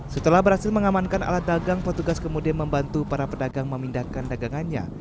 setelah berhasil mengamankan alat dagang petugas kemudian membantu para pedagang memindahkan dagangannya